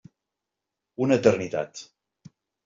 Una eternitat.